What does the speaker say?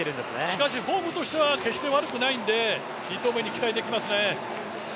しかし、フォームとしては決して悪くないので、２投目に期待できますね。